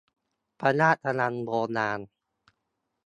พระราชวังโบราณ